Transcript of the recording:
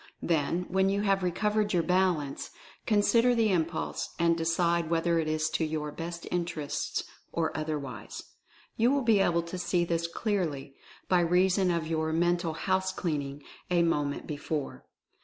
Then, when you have recovered your balance, con sider the impulse, and decide whether it is to your best interests, or otherwise. You will be able to see this clearly, by reason of your "mental house clean ing" a moment before.